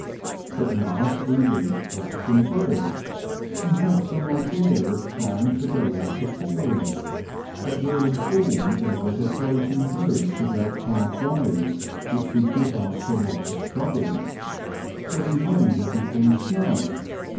At last we reached Waxham Bridge, and had some idea of trying to go on to Palling, but were informed there was a floating bridge about half way which would give us a lot of Digitized by VjOOQIC THK Nh'v.'